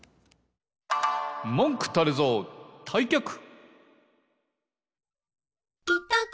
もんくたれぞうたいきゃく！